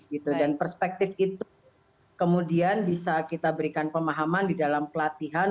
dan perspektif itu kemudian bisa kita berikan pemahaman di dalam pelatihan